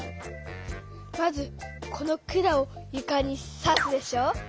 まずこの管をゆかにさすでしょ。